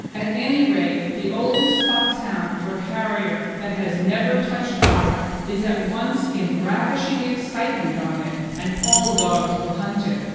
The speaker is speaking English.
At any rate, the oldest Foxhound or Harrier that has never touched otter is at once in ravishing excitement on it, and all dogs will hunt it.